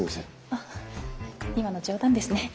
あっ今の冗談ですね。